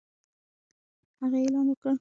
هغه اعلان وکړ